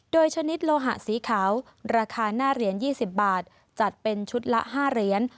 โดยชนิดโลหะสีขาวราคาหน้าเหรียญ๒๐บาทจัดเป็นชุดละ๕เหรียญ